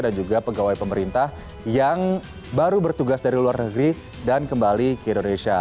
dan juga pegawai pemerintah yang baru bertugas dari luar negeri dan kembali ke indonesia